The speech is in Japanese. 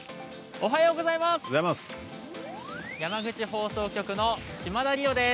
おはようございます。